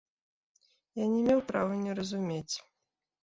Я не меў права не разумець.